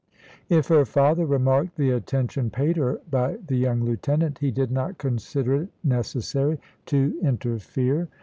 If her father remarked the attention paid her by the young lieutenant, he did not consider it necessary to interfere.